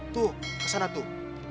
tuh kesana tuh